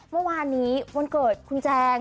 เมื่อวานนี้วันเกิดคุณแจง